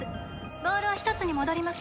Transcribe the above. ボールは１つに戻ります。